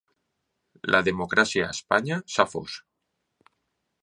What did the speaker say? La democràcia a Espanya s’ha fos.